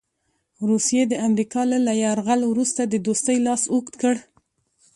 روسیې د امریکا له یرغل وروسته د دوستۍ لاس اوږد کړ.